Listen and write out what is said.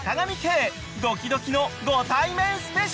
［ドキドキのご対面スペシャル］